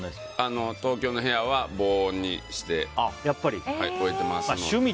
東京の部屋は防音にしておいてます。